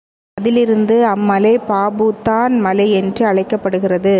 அதிலிருந்து அம் மலை பாபாபூதான் மலை என்று அழைக்கப்படுகிறது.